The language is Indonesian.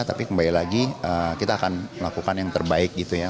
tapi kembali lagi kita akan melakukan yang terbaik gitu ya